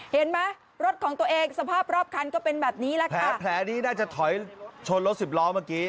เห็นไหมรถของตัวเองสภาพรอบคันก็เป็นแบบนี้แหละค่ะถ้าแผลนี้น่าจะถอยชนรถสิบล้อเมื่อกี้